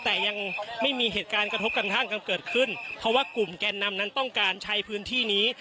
แต่ยังไม่มีเหตุการณ์กระทบกระทั่งกันเกิดขึ้นเพราะว่ากลุ่มแกนนำนั้นต้องการใช้พื้นที่นี้